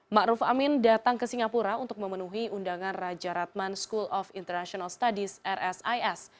⁇ ruf amin datang ke singapura untuk memenuhi undangan raja ratman school of international studies rsis